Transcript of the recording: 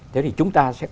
thế thì chúng ta sẽ cố